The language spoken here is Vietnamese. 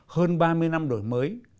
hơn ba mươi năm đổi mới